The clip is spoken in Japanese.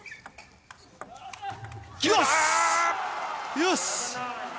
よし！